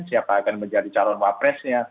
siapa akan menjadi calon wapresnya